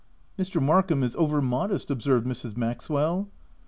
Mr. Markham is over modest," observed Mrs. Maxwell.